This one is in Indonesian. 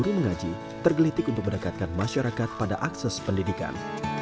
dan guru mengaji tergelitik untuk mendekatkan masyarakat pada akses pendidikan